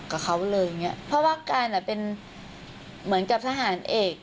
กับเขาเลยเพราะว่าการเป็นเหมือนกับทหารเอก